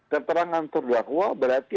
keterangan terdakwa berarti